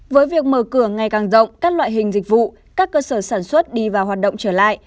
với việc mở cửa ngày càng rộng các loại hình dịch vụ các cơ sở sản xuất đi vào hoạt động trở lại